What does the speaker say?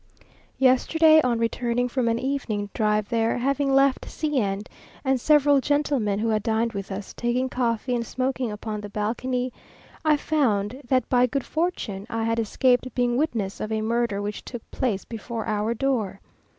Yesterday, on returning from an evening drive there, having left C n and several gentlemen who had dined with us, taking coffee and smoking upon the balcony, I found that by good fortune I had escaped being witness of a murder which took place before our door.